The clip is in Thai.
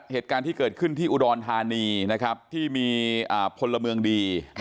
เหตุการณ์ที่เกิดขึ้นที่อุดรธานีที่มีพลเมืองดี